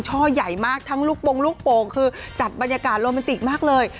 ใหญ่มากทั้งลูกโปรงลูกโป่งคือจัดบรรยากาศโรแมนติกมากเลย